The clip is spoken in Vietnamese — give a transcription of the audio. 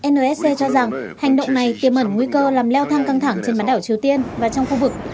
nsc cho rằng hành động này tiêm ẩn nguy cơ làm leo thang căng thẳng trên bán đảo triều tiên và trong khu vực